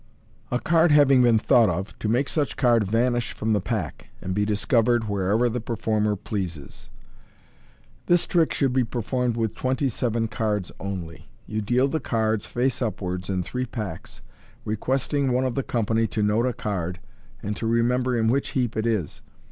A Card having been thought op, to make such Card Vanish from the Pack, and be Discovered wherever the Performer pleases. — This trick should be performed with twenty seven cards only. You deal the cards, face upwards, in three packs, requesting one of the company to note a card, and to remember in which heap it is.